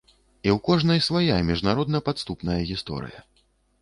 І ў кожнай свая міжнародна-падступная гісторыя.